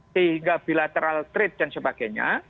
sehingga bilateral trade dan sebagainya